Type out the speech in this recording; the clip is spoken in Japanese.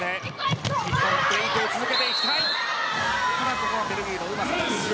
ここはベルギーのうまさが出た。